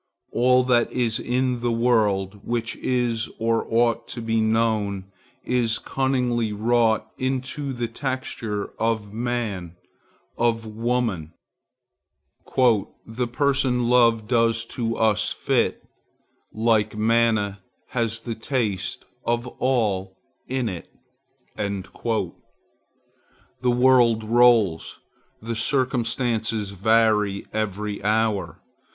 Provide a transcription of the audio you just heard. All that is in the world, which is or ought to be known, is cunningly wrought into the texture of man, of woman:— "The person love does to us fit, Like manna, has the taste of all in it." The world rolls; the circumstances vary every hour.